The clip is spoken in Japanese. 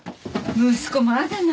息子まだなの。